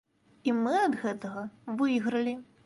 І мы ад гэтага выйгралі.